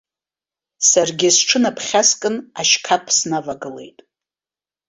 Саргьы сҽынаԥхьаскын, ашьқаԥ снавагылеит.